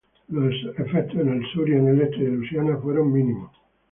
Los efectos en el sur y en el este de Luisiana fueron mínimos.